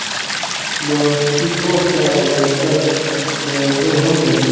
د وحشي توب سره یو څه لیونتوب هم لري.